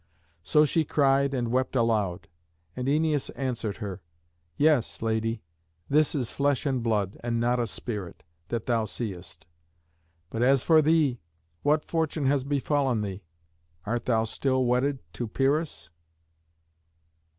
So she cried and wept aloud. And Æneas answered her: "Yes, lady, this is flesh and blood, and not a spirit, that thou seest. But as for thee, what fortune has befallen thee? Art thou still wedded to Pyrrhus?"